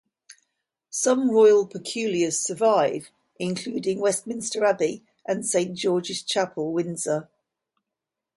Some royal peculiars survive, including Westminster Abbey and Saint George's Chapel, Windsor.